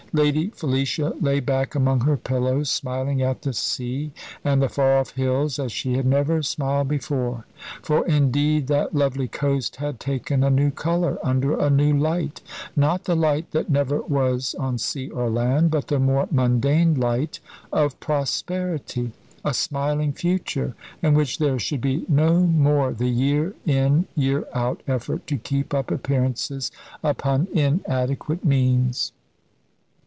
Lady Felicia lay back among her pillows, smiling at the sea and the far off hills as she had never smiled before; for, indeed, that lovely coast had taken a new colour under a new light not the light that never was on sea or land, but the more mundane light of prosperity, a smiling future in which there should be no more the year in year out effort to keep up appearances upon inadequate means.